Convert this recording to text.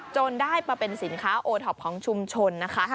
จนได้มาเป็นสินค้าโอท็อปของชุมชนนะคะ